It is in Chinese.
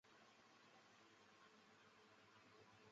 几兄弟姊妹曾协助谭父运作冶金山寨厂。